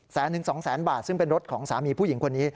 แสนถึงสองแสนบาทซึ่งเป็นรถของสามีผู้หญิงคนนี้